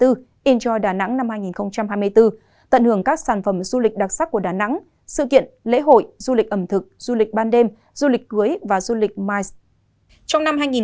indu đà nẵng năm hai nghìn hai mươi bốn tận hưởng các sản phẩm du lịch đặc sắc của đà nẵng sự kiện lễ hội du lịch ẩm thực du lịch ban đêm du lịch cưới và du lịch mice